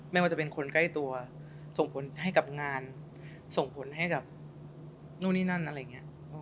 ไม่ว่าจะเป็นคนใกล้ตัวส่งผลให้กับงานส่งผลให้กับนู่นนี่นั่นอะไรอย่างนี้